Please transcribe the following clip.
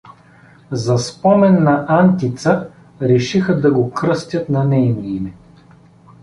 За спомен на Антица решиха да го кръстят на нейно име.